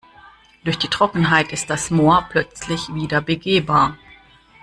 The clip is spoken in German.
Durch die Trockenheit ist das Moor plötzlich wieder begehbar.